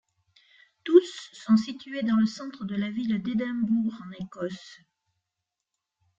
Tous sont situés dans le centre de la ville d'Édimbourg en Écosse.